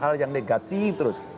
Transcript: hal yang negatif terus